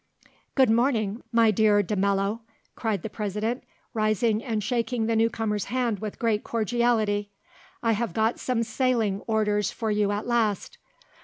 "Good morning, my dear de Mello," cried the President, rising and shaking the newcomer's hand with great cordiality. "I have got some sailing orders for you at last."